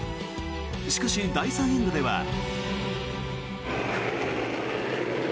しかし、第３エンドでは。